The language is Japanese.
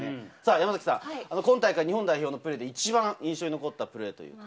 山崎さん、今大会の日本代表のプレーで一番印象に残ったプレーというと？